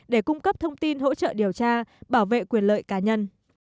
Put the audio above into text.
để cung cấp thông tin hỗ trợ điều tra bảo vệ quyền lợi cá nhân